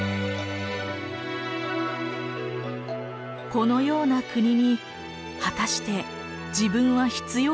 このような国に果たして自分は必要なのだろうか。